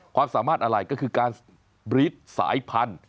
ความสามารถอะไรก็คือการบรีดสายพันธุ์